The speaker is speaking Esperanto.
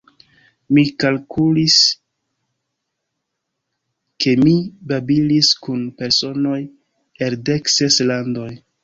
Mi kalkulis, ke mi babilis kun personoj el dek ses landoj.